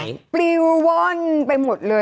ยังไม่ได้ตอบรับหรือเปล่ายังไม่ได้ตอบรับหรือเปล่า